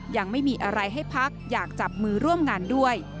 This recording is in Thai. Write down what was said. ยังไม่มีอะไรให้พักอยากจับมือร่วมงานด้วย